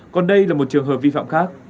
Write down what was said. còn đây là một trường hợp vi phạm khác